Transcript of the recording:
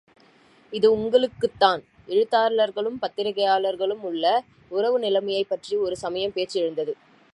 இது உங்களுக்குத்தான்... எழுத்தாளர்களுக்கும், பதிப்பாளர்களுக்கும் உள்ள, உறவு நிலைமையைப் பற்றி ஒரு சமயம் பேச்சு எழுந்தது.